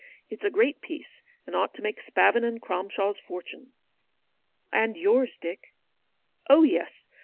It's a great piece, and ought to make Spavin and Cromshaw's fortune." " And yours, Dick." " Oh, yes.